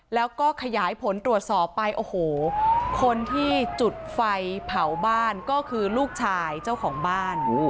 แล้วก็ขยายผลตรวจสอบไปโอ้โหคนที่จุดไฟเผาบ้านก็คือลูกชายเจ้าของบ้าน